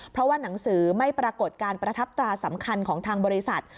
เพราะว่าหนังสือไม่ปรากฏการประทับตราสำคัญของทางบริษัท